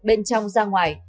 bên trong ra ngoài